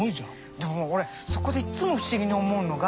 でも俺そこでいっつも不思議に思うのが。